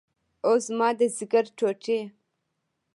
اوه زما د ځيګر ټوټې.